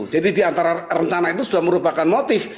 jadi di antara rencana itu sudah merupakan motif